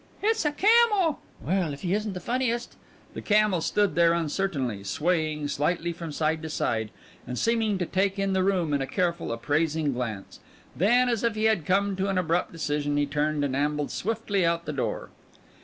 "It's a camel!" "Well, if he isn't the funniest!" The camel stood there uncertainly, swaying slightly from side to side, and seeming to take in the room in a careful, appraising glance; then as if he had come to an abrupt decision, he turned and ambled swiftly out the door.